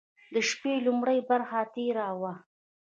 د شپې لومړۍ برخه تېره وه.